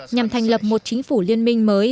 nhằm thành lập một chính phủ liên minh mới